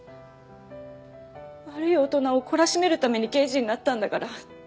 悪い大人を懲らしめるために刑事になったんだから。